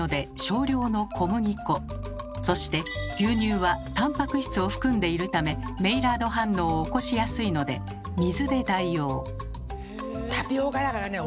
そして牛乳はタンパク質を含んでいるためメイラード反応を起こしやすいので水で代用。